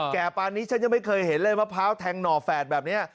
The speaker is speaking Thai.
ปานนี้ฉันยังไม่เคยเห็นเลยมะพร้าวแทงหน่อแฝดแบบนี้